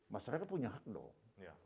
masyarakat punya hak dong